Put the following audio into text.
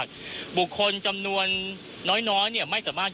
คุณทัศนาควดทองเลยค่ะ